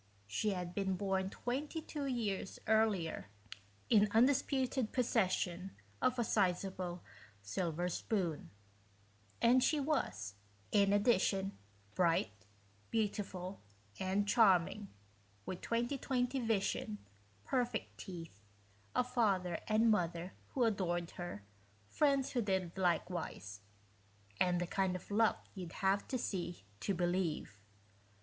She had been born twenty two years earlier in undisputed possession of a sizable silver spoon and she was, in addition, bright, beautiful, and charming, with 20/20 vision, perfect teeth, a father and mother who adored her, friends who did likewise ... and the kind of luck you'd have to see to believe.